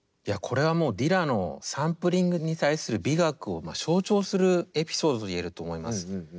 いやこれはもうディラのサンプリングに対する美学を象徴するエピソードと言えると思います。